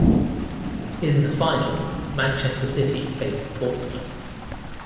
In the final, Manchester City faced Portsmouth.